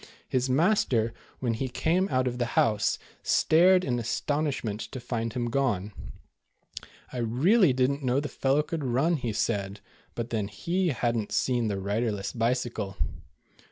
His master, The Bold Bad Bicycle. 227 when he came out of the house, stared in aston ishment to find him gone. "I really did n't know the fellow could run," he said, but then Jic had n't seen the riderless bicycle.